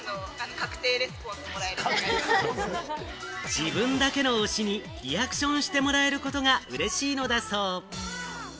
自分だけの推しにリアクションしてもらえることがうれしいのだそう。